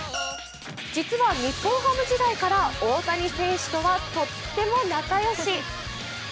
実は日本ハム時代から大谷選手とはとっても仲良し。